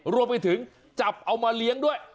รวมไปถึงจับเอามาเลี้ยงด้วย